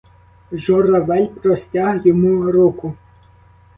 Журавель простяг йому руку.